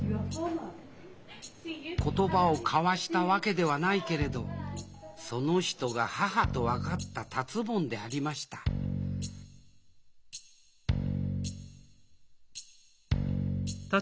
言葉を交わしたわけではないけれどその人が母と分かった達ぼんでありましたはい。